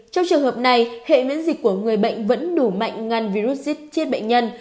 trong trường hợp này hệ miễn dịch của người bệnh vẫn đủ mạnh ngăn virus xiết bệnh nhân